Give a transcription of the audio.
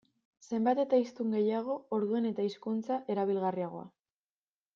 Zenbat eta hiztun gehiago, orduan eta hizkuntza erabilgarriagoa.